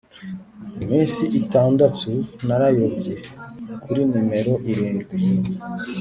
iminsi itandatu narayobye, - kuri nimero irindwi